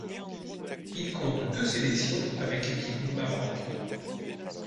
Il compte deux sélections avec l'équipe du Maroc.